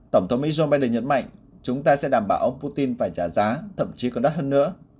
tổng thống mỹ joe biden nhấn mạnh chúng ta sẽ đảm bảo ông putin phải trả giá thậm chí còn đắt hơn nữa